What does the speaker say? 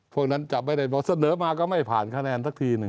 พวกนั้นจับไม่ได้พอเสนอมาก็ไม่ผ่านคะแนนสักทีหนึ่ง